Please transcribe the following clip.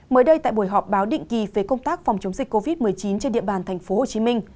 mới đây tại buổi họp báo định kỳ về công tác phòng chống dịch covid một mươi chín trên địa bàn tp hcm